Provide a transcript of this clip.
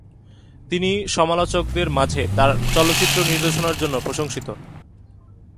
তিনি সমালোচকদের মাঝে তার চলচ্চিত্র নির্দেশনার জন্য প্রশংসিত।